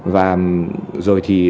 và rồi thì